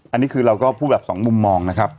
อันนี้คือเราก็พูดแบบสองมุมมองนะครับ